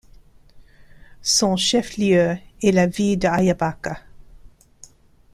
Son chef-lieu est la ville d'Ayabaca.